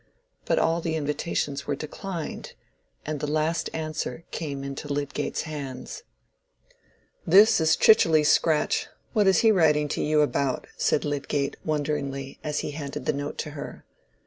But all the invitations were declined, and the last answer came into Lydgate's hands. "This is Chichely's scratch. What is he writing to you about?" said Lydgate, wonderingly, as he handed the note to her.